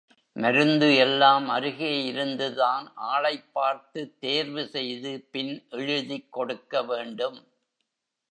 மருந்து எல்லாம் அருகே இருந்துதான் ஆளைப் பார்த்துத் தேர்வு செய்து பின் எழுதிக் கொடுக்க வேண்டும்.